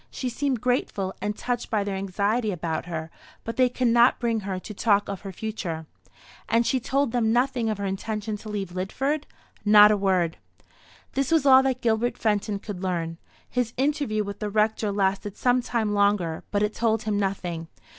She seemed grateful, and touched by their anxiety about her, but they could not bring her to talk of her future." "And she told them nothing of her intention to leave Lidford?" "Not a word." This was all that Gilbert Fenton could learn. His interview with the Rector lasted some time longer; but it told him nothing.